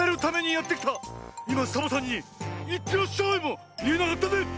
いまサボさんに「いってらっしゃい」もいえなかったね。